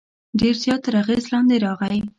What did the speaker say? ډېر زیات تر اغېز لاندې راغی.